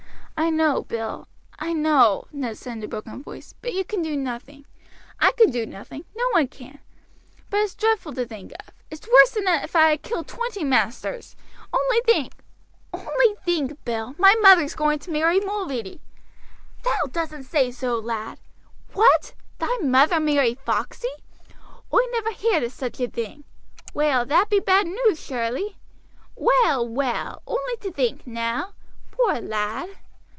"I know, Bill I know," Ned said in a broken voice, "but you can do nothing; I can do nothing; no one can. But it's dreadful to think of. It's worse than if I had killed twenty masters. Only think only think, Bill, my mother's going to marry Mulready!" "Thou doesn't say so, lad! What! thy mother marry Foxey! Oi never heer'd o' such a thing. Well, that be bad news, surely! Well, well, only to think, now! Poor lad!